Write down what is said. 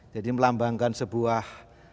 jadi melambangkan sebuah